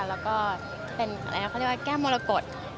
แล้วก็จะเป็นอะไรเขาเรียกว่าแก้มมละกด